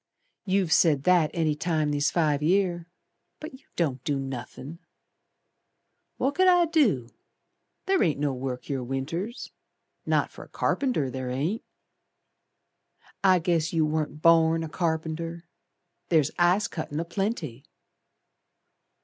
"You've said that any time these five year, But you don't do nothin'." "Wot could I do? Ther ain't no work here Winters. Not fer a carpenter, ther ain't." "I guess you warn't born a carpenter. Ther's ice cuttin' a plenty."